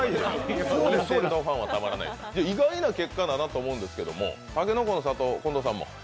意外な結果だなと思うんですけれども、たけのこの里、近藤さんも？